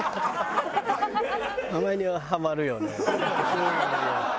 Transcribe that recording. そうなのよ。